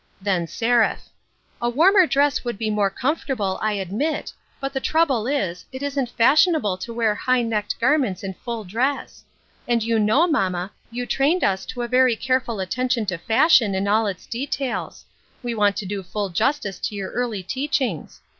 Then Seraph :" A warmer dress would be more comfortable, I admit, but the trouble is, it isn't fashionable to wear high necked garments in full dress. And you know, mamma, you trained us to a very careful attention to fashion in all its details ; we want to do full justice to your early teachings.